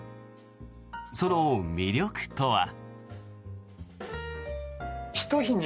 その魅力とは。